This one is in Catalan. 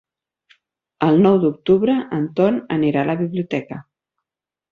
El nou d'octubre en Ton anirà a la biblioteca.